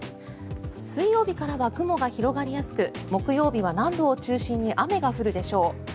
水曜日からは雲が広がりやすく木曜日は南部を中心に雨が降るでしょう。